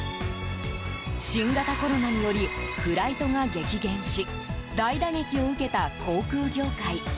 新型コロナによりフライトが激減し大打撃を受けた航空業界。